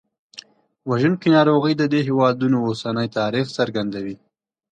وژونکي ناروغۍ د دې هېوادونو اوسني تاریخ څرګندوي.